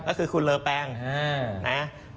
แล้วคือคุณเลอแปงนะครับ